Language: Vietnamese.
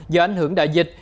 do ảnh hưởng đại dịch